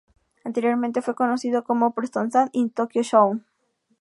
Anteriormente fue conocido como Preston San y Tokyo Shawn.